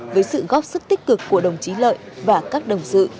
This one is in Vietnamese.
với sự góp sức tích cực của đồng chí lợi và các đồng sự